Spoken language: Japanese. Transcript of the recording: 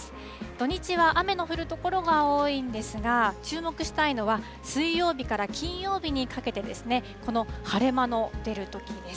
土日は雨の降る所が多いんですが、注目したいのは水曜日から金曜日にかけてですね、この晴れ間の出るときです。